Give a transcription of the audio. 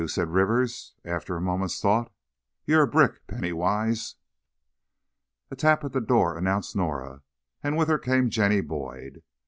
said Rivers, after a moment's thought. "You're a brick, Penny Wise!" A tap at the door announced Norah, and with her came Jenny Boyd.